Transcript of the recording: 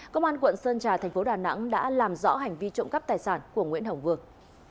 công an quận sơn trà thành phố đà nẵng đã làm rõ hành vi trộm cắp tài sản của nguyễn hồng vương